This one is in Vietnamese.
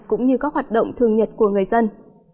cũng như các hoạt động thường nhật của người dân